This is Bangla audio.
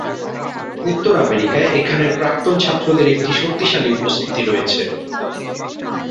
উত্তর আমেরিকায় এখানের প্রাক্তন ছাত্রদের একটি শক্তিশালী উপস্থিতি রয়েছে।